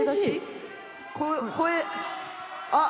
あっ！